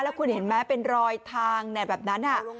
คุณเห็นไหมเป็นรอยทางแบบนั้น